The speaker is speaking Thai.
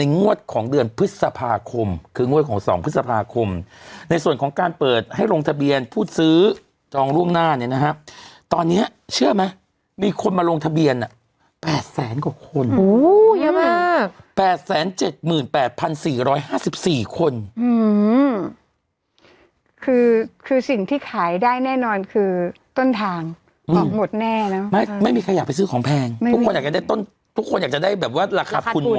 งวดของเดือนพฤษภาคมคืองวดของสองพฤษภาคมในส่วนของการเปิดให้ลงทะเบียนผู้ซื้อจองร่วมหน้าเนี้ยนะฮะตอนเนี้ยเชื่อมั้ยมีคนมาลงทะเบียนน่ะแปดแสนกว่าคนอู๋เยอะมากแปดแสนเจ็ดหมื่นแปดพันสี่ร้อยห้าสิบสี่คนอืมคือคือสิ่งที่ขายได้แน่นอนคือต้นทางอ๋อหมดแน่เนอะไม่ไม่มีใครอยาก